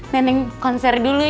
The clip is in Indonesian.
neneng konser dulu ya